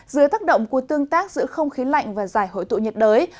dưới tác động của tương tác giữa không khí lạnh và giải hội tụ nhiệt đới